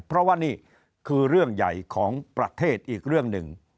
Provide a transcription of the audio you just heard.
เพราะว่านี่คือเรื่องใหญ่ของประเทศอีกเรื่องหนึ่ง